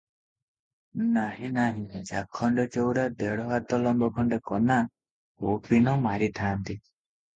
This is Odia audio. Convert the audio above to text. ନାହିଁ, ନାହିଁ ଚାଖଣ୍ଡେ ଚୌଡ଼ା ଦେଢ ହାତ ଲମ୍ବ ଖଣ୍ଡେ କନା କୌପୀନ ମାରିଥାଆନ୍ତି ।